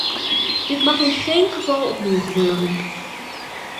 Dit mag in geen geval opnieuw gebeuren.